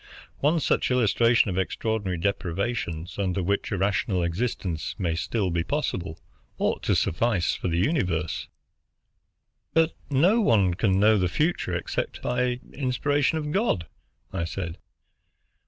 One such illustration of the extraordinary deprivations under which a rational existence may still be possible ought to suffice for the universe." "But no one can know the future except by inspiration of God," I said.